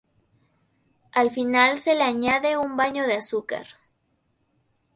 Al final se le añade un baño de azúcar.